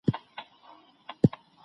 ساده ژوند وکړئ او خوشحاله اوسئ.